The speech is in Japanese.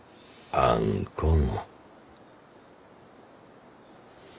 あんこの？